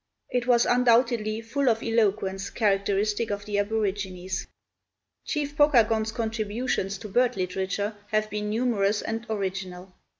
It was undoubtedly full of eloquence characteristic of the aborigines. Chief Pokagon's contributions to bird literature have been numerous and original.